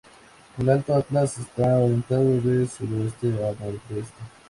El Alto Atlas está orientado de sudoeste a nordeste.